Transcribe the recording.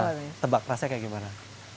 nah tebak rasanya kayak gimana